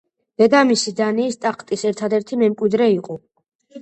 დედამისი დანიის ტახტის ერთადერთი მემკვიდრე იყო.